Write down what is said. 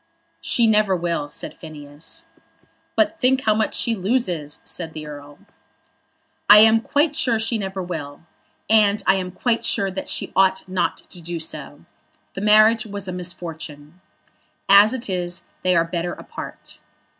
"She never will," said Phineas. "But think how much she loses," said the Earl. "I am quite sure she never will. And I am quite sure that she ought not to do so. The marriage was a misfortune. As it is they are better apart."